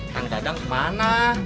kang dadang kemana